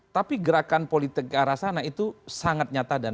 tapi gerakan politik ke arah sana itu sangat nyata dan